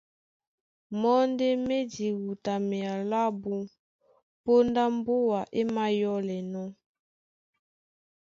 Mɔ́ ndé má e diwutamea lábū póndá mbúa é mayɔ́lɛnɔ̄,